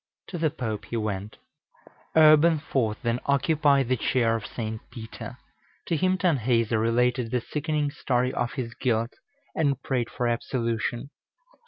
To the Pope he went. Urban IV. then occupied the chair of St. Peter. To him Tanhäuser related the sickening story of his guilt, and prayed for absolution.